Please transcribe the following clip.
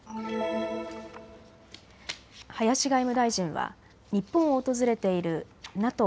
林外務大臣は日本を訪れているＮＡＴＯ